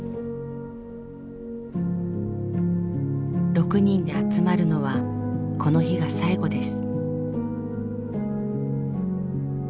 ６人で集まるのはこの日が最後です。